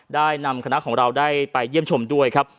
ได้นำคณะของเราได้ไปเยี่ยมชมด้วยครับ